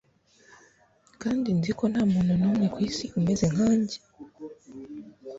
kandi nzi ko ntamuntu numwe kwisi umeze nkanjye